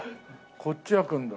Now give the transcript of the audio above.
こっち開くんだ。